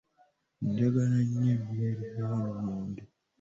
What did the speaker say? Njagala nnyo emmere ya lumonde.